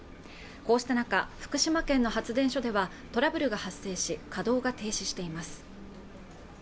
こうした中福島県の発電所ではトラブルが発生し稼働が停止しています